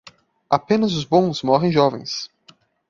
Apenas os bons morrem jovens.